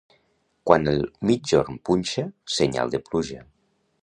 Quan el migjorn punxa, senyal de pluja.